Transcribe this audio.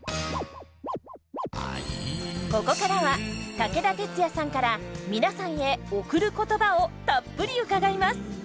ここからは武田鉄矢さんから皆さんへ贈る言葉をたっぷり伺います。